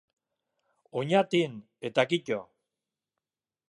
Oñatin, eta kito.